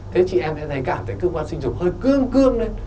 thế chị em sẽ cảm thấy cơ quan sinh dục hơi cương cương lên